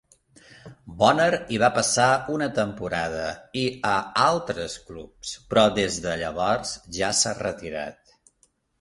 Bonner hi va passar una temporada i a altres clubs, però des de llavors ja s'ha retirat.